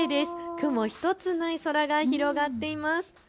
雲一つない空が広がっています。